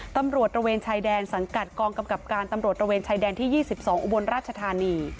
ตำรวจตระเวนชายแดนสังกัดกองกำกับการตำรวจตระเวนชายแดนที่๒๒อุบลราชธานี